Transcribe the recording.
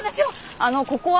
あのここは。